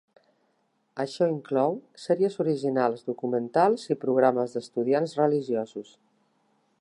Això inclou sèries originals, documentals i programes d'estudiants religiosos.